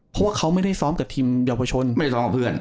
เพราะว่าเขาไม่ได้ซ้อมกับทีมเยาวชนไม่ได้ซ้อมกับเพื่อน